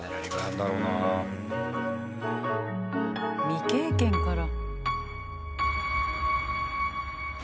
未経験から。